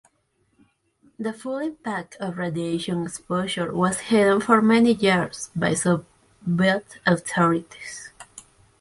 The full impact of radiation exposure was hidden for many years by Soviet authorities.